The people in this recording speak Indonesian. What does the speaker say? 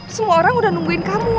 semua orang udah nungguin kamu